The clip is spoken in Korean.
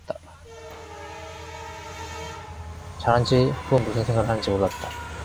자는지 혹은 무슨 생각을 하는지 몰랐다.